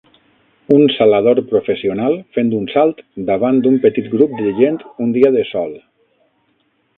Un salador professional fent un salt davant d'un petit grup de gent un dia de sol.